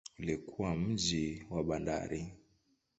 Ulikuwa mji wa bandari.